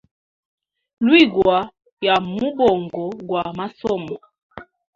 Iyigwa ya mubongo gwa masomo.